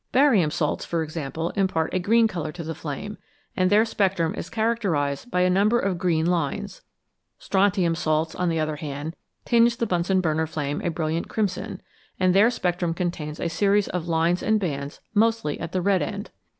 Barium salts, for example, impart a green colour to the flame, and their spectrum is charac terised by a number of green lines ; strontium salts, on the other hand, tinge the Bunsen flame a brilliant crimson, and their spectrum contains a series of lines and bands mostly at the red end.